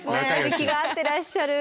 気が合ってらっしゃる。